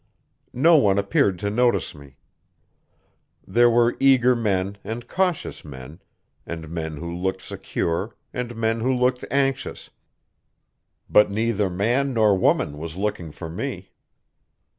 No one appeared to notice me. There were eager men and cautious men, and men who looked secure and men who looked anxious, but neither man nor woman was looking for me.